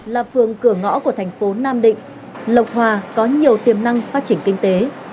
là phường cửa ngõ của thành phố nam định lộc hòa có nhiều tiềm năng phát triển kinh tế